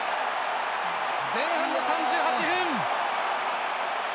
前半３８分。